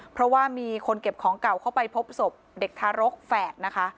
เพราะว่ามีคนเก็บของเก่าเข้าไปพบศพเด็กทารกแฝดนะคะ